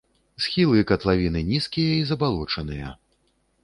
Схілы катлавіны нізкія і забалочаныя.